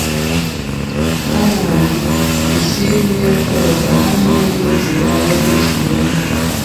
Hano hari pisine yo koga hamwe ninzira yo gukiniraho.